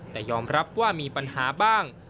แต่ยอมรับว่ามีปัญหาบ้าง